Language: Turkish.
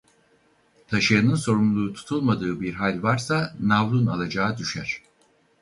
Taşıyanın sorumlu tutulamadığı bir hal varsa navlun alacağı düşer.